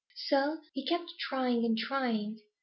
So he kept trying and trying.